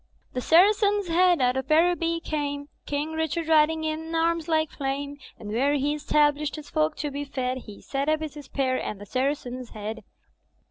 "The Saracen's Head out of Araby came. King Richard riding in arms like flame. And where he established his folk to be fed He set up his spear — ^and the Saracen's Head.